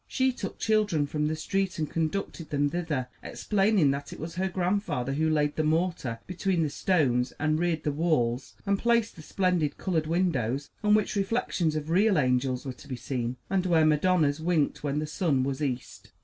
She took children from the street and conducted them thither, explaining that it was her grandfather who laid the mortar between the stones and reared the walls and placed the splendid colored windows, on which reflections of real angels were to be seen, and where Madonnas winked when the wind was east.